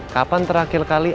kapan terakhir kali anda